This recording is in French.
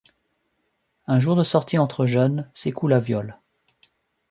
Un jour de sortie entre jeunes, Sékou la viole.